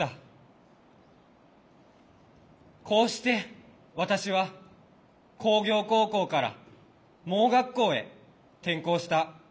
こうして私は工業高校から盲学校へ転校した。